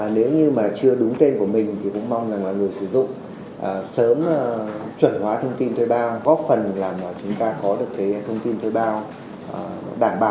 nếu như mà chưa đúng tên của mình thì cũng mong rằng là người sử dụng sớm chuẩn hóa thông tin thuê bao góp phần làm chúng ta có được cái thông tin thuê bao đảm bảo